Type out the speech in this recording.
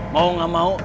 mau gak mau